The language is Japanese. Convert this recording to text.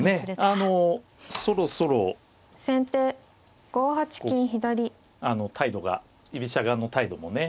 あのそろそろ態度が居飛車側の態度もね